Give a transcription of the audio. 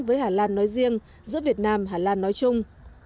với hà lan nói riêng giữa việt nam hà lan nói chung